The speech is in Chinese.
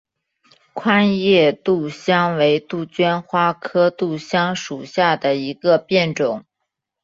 宽叶杜香为杜鹃花科杜香属下的一个变种。